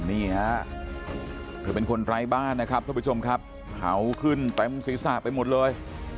นี่ฮะเธอเป็นคนไร้บ้านนะครับท่านผู้ชมครับเห่าขึ้นเต็มศีรษะไปหมดเลย